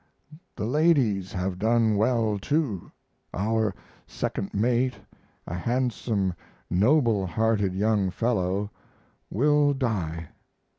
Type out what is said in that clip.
The ladies have done well, too. Our second mate, a handsome, noble hearted young fellow, will die.